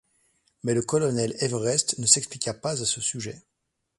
Mais le colonel Everest ne s’expliqua pas à ce sujet.